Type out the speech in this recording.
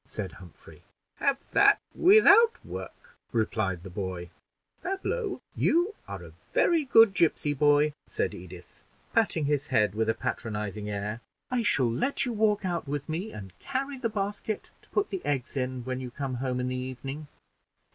said Humphrey. "Have that without work," replied the boy. "Pablo, you are a very good gipsy boy," said Edith, patting his head with a patronizing air; "I shall let you walk out with me and carry the basket to put the eggs in when you come home in the evening."